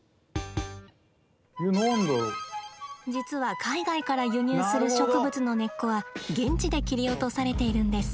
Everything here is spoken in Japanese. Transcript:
実は海外から輸入する植物の根っこは現地で切り落とされているんです。